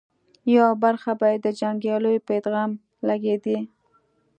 يوه برخه به یې د جنګياليو په ادغام لګېدې